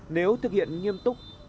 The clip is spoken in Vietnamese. nếu thực hiện nghiêm túc